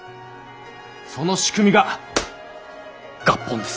その仕組みが合本です。